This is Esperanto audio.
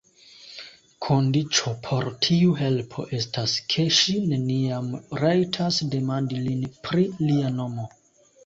Kondiĉo por tiu helpo estas, ke ŝi neniam rajtas demandi lin pri lia nomo.